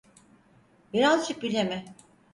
Birazcık bile mi?